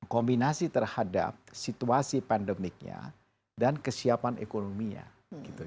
kombinasi terhadap situasi pandemiknya dan kesiapan ekonominya gitu